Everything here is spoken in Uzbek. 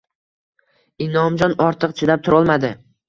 Inomjon ortiq chidab turolmadi